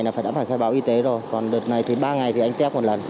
thứ hai ngày là đã phải khai báo y tế rồi còn đợt này thì ba ngày thì anh test một lần